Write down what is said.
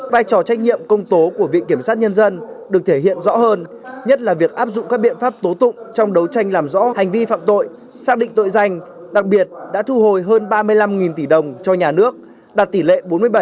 vai trò trách nhiệm công tố của viện kiểm sát nhân dân được thể hiện rõ hơn nhất là việc áp dụng các biện pháp tố tụng trong đấu tranh làm rõ hành vi phạm tội xác định tội danh đặc biệt đã thu hồi hơn ba mươi năm tỷ đồng cho nhà nước đạt tỷ lệ bốn mươi bảy